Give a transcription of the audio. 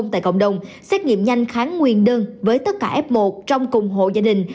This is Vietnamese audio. tại cộng đồng xét nghiệm nhanh kháng nguyên đơn với tất cả f một trong cùng hộ gia đình